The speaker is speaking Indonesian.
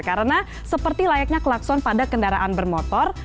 karena seperti layaknya klakson pada kendaraan bermotor